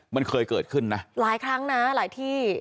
มันเคยเกิดขึ้นนะหลายครั้งนะหลายที่